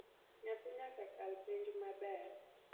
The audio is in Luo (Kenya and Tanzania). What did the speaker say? Nyathi nyaka kal penj maber